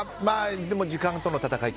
でも時間との戦いと。